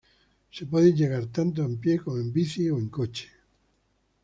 Se puede llegar tanto a pie como en bici o coche.